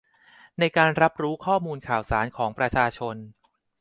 ในการรับรู้ข้อมูลข่าวสารของประชาชน